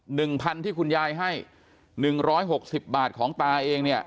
หนึ่งพันที่คุณยายให้หนึ่งร้อยหกสิบบาทของตาเองเนี่ย